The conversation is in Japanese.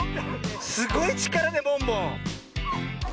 すごいちからねボンボン！